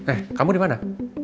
eh kamu dimana